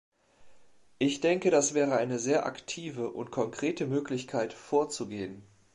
Ich denke, das wäre eine sehr aktive und konkrete Möglichkeit, vorzugehen.